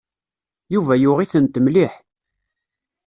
Yuba yuɣ-itent mliḥ.